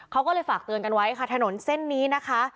เขาก็เลยฝากเตือนกันไว้ค่ะถนนเส้นนี้นะคะ